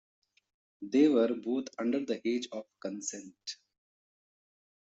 They were both under the age of consent.